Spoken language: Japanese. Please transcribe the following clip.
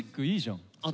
いいじゃん。